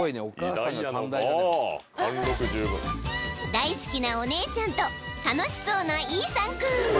［大好きなお姉ちゃんと楽しそうなイーサン君］